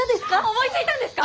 思いついたんですか！？